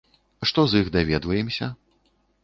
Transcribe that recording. Што з іх даведваемся?